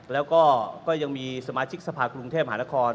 แล้วก็ยังมีสมาชิกสภาคกรุงเทพหานคร